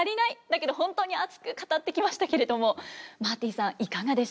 だけど本当に熱く語ってきましたけれどもマーティさんいかがでしたでしょうか？